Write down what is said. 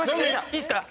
いいっすか？